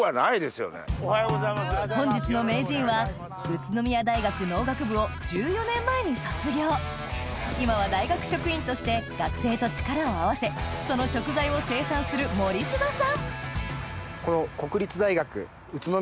本日の名人は宇都宮大学農学部を１４年前に卒業今は大学職員として学生と力を合わせその食材を生産する餃子しか？